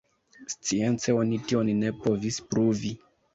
Science oni tion ne povis pruvi.